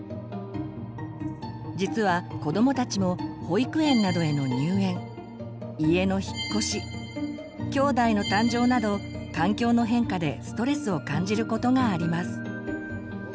実は子どもたちも保育園などへの入園家の引っ越しきょうだいの誕生など環境の変化でストレスを感じることがあります。